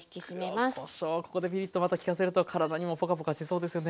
ここでピリッとまた利かせるとからだにもポカポカしそうですよね。